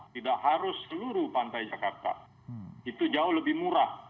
tidak harus seluruh pantai jakarta itu jauh lebih murah